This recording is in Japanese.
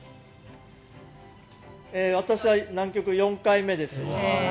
私は南極４回目です。